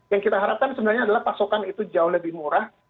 yang kita harapkan sebenarnya adalah pasokan itu jauh lebih murah